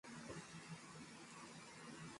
na kuifanya mikoa kuwa kumi na tatu kwa wakati huo